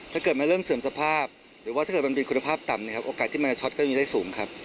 ถ้าเกิดมันเริ่มเสื่อมสภาพหรือว่าถ้าเกิดมันเป็นคุณภาพต่ำนะครับโอกาสที่มันจะช็อตก็จะมีได้สูงครับ